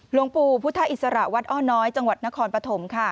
หลวงปู่พุทธอิสระวัดอ้อน้อยจังหวัดนครปฐมค่ะ